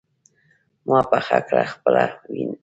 ما پخه کړه خپله ينه